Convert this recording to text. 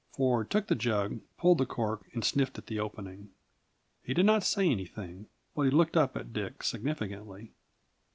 Ford took the jug, pulled the cork, and sniffed at the opening. He did not say anything, but he looked up at Dick significantly.